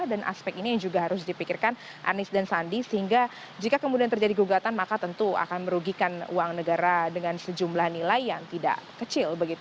dan aspek ini juga harus dipikirkan anies dan sandi sehingga jika kemudian terjadi gugatan maka tentu akan merugikan uang negara dengan sejumlah nilai yang tidak kecil